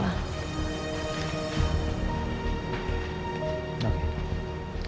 kalau memang itu keputusan lo gue hargai